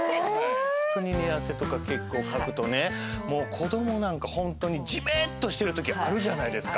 寝汗とか結構かくとねもう子供なんかホントにじめっとしてるときあるじゃないですか。